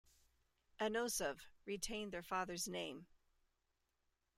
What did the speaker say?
Anosov, retained their father's name.